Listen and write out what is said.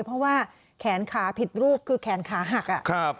เพราะว่าแขนขาผิดรูปคือแขนขาหัก